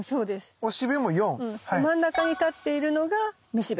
真ん中に立っているのがめしべ。